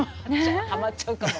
はまっちゃうかも。